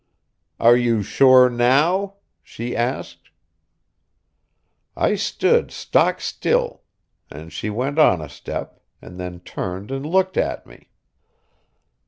"Are you sure now?" she asked. I stood stock still, and she went on a step, and then turned and looked at me.